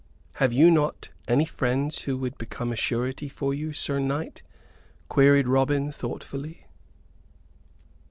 "Have you not any friends who would become a surety for you, Sir Knight?" queried Robin, thoughtfully.